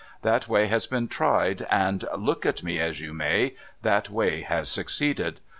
That way has been tried, and (look at me as you may) that way has succeeded.